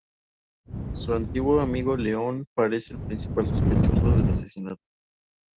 Su antiguo amigo León parece el principal sospechoso del asesinato.